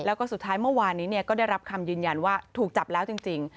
แล้วก็สุดท้ายเมื่อวานนี้ก็ได้รับคำยืนยันว่าถูกจับแล้วจริง